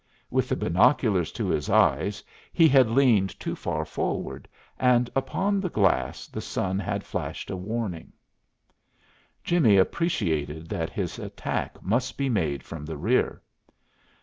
With the binoculars to his eyes he had leaned too far forward, and upon the glass the sun had flashed a warning. Jimmie appreciated that his attack must be made from the rear.